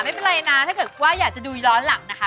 ไม่เป็นไรนะถ้าเกิดว่าอยากจะดูย้อนหลังนะคะ